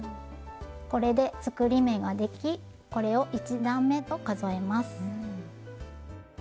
これで作り目ができこれを１段めと数えます。